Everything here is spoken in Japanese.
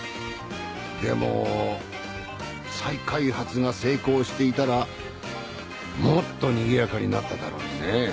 でも再開発が成功していたらもっとにぎやかになっただろうにね。